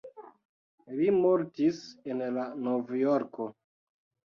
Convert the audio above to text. Li mortis la en Novjorko.